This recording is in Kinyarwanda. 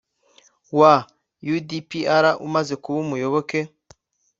wa U D P R Umaze kuba umuyoboke